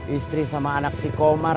istri sama anak si komar